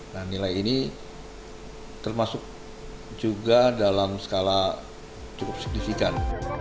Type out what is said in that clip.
nah nilai ini termasuk juga dalam skala cukup signifikan